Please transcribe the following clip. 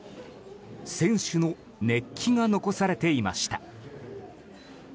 選手の熱気が残されていました。